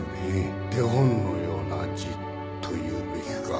手本のような字というべきか